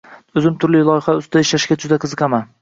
O‘zim turli loyihalar ustida ishlashga juda qiziqaman.